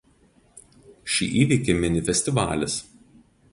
Šį įvykį mini festivalis.